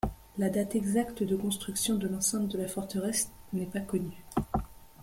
La date exacte de construction de l’enceinte de la forteresse n'est pas connue.